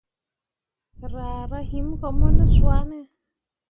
Raa rah him mo ne swane ?